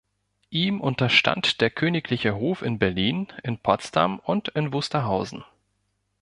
Ihm unterstand der königliche Hof in Berlin, in Potsdam und in Wusterhausen.